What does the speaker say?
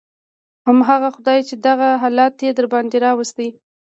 همغه خداى چې دغه حالت يې درباندې راوستى.